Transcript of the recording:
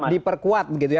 diperkuat begitu ya